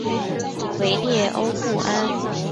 维列欧布安。